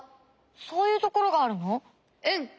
そういうところがあるの？